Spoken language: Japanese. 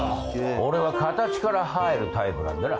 俺は形から入るタイプなんでな。